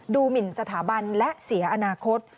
หมินสถาบันและเสียอนาคต